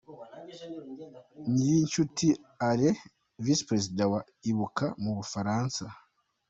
Ngirinshuti Alain, Visi Perezida wa Ibuka mu Bufaransa